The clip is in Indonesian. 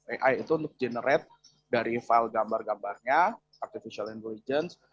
ai itu untuk generate dari file gambar gambarnya artificial intelligence